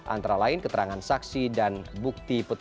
antara lain keterangan saksi dan bukti petunjuk